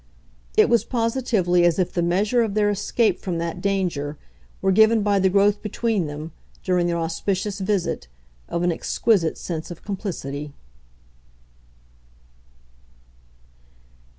It was positively as if the measure of their escape from that danger were given by the growth between them, during their auspicious visit, of an exquisite sense of complicity.